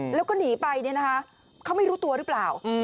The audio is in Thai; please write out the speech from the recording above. แล้วก็หนีไปเนี่ยนะคะเขาไม่รู้ตัวหรือเปล่า